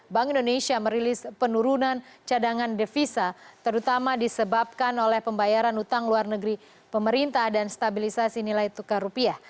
bank indonesia merilis penurunan cadangan devisa terutama disebabkan oleh pembayaran utang luar negeri pemerintah dan stabilisasi nilai tukar rupiah